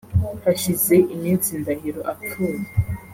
Hashize iminsi Ndahiro apfuye